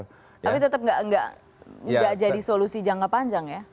tapi tetap tidak menjadi solusi jangka panjang ya